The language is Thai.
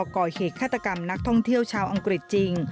ก่อเหตุฆาตกรรมนักท่องเที่ยวชาวอังกฤษจริง